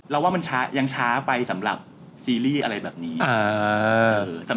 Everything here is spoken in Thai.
ว่ามันยังช้าไปสำหรับซีรีส์อะไรแบบนี้